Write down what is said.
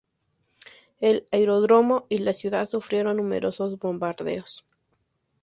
El aeródromo y la ciudad sufrieron numerosos bombardeos.